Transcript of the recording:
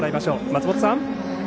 松本さん。